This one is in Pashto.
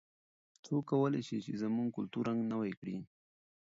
څوک کولای سي چې زموږ د کلتور رنګ نوی کړي؟